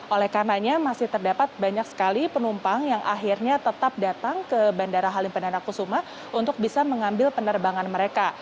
oleh karenanya masih terdapat banyak sekali penumpang yang akhirnya tetap datang ke bandara halim perdana kusuma untuk bisa mengambil penerbangan mereka